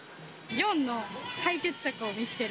４の解決策を見つける。